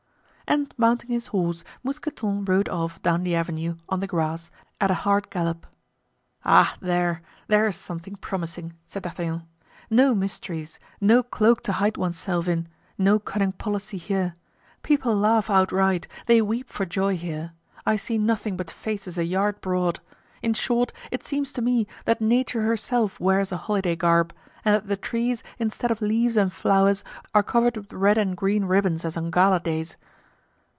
And mounting his horse Mousqueton rode off down the avenue on the grass at a hand gallop. "Ah, there! there's something promising," said D'Artagnan. "No mysteries, no cloak to hide one's self in, no cunning policy here; people laugh outright, they weep for joy here. I see nothing but faces a yard broad; in short, it seems to me that nature herself wears a holiday garb, and that the trees, instead of leaves and flowers, are covered with red and green ribbons as on gala days."